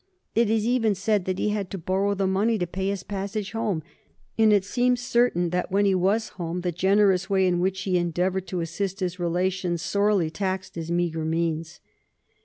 It is even said that he had to borrow the money to pay his passage home, and it seems certain that when he was home, the generous way in which he endeavored to assist his relations sorely taxed his meagre means.